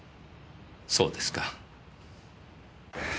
そうですか。